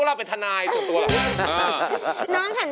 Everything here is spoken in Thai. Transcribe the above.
แล้วถ้ามี๑๐คะแนน